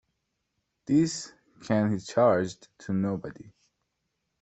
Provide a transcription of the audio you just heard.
This can he charged to nobody.